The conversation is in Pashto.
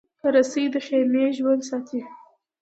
رسۍ د خېمې ژوند ساتي.